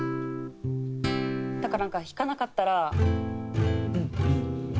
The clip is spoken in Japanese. だからなんか弾かなかったら。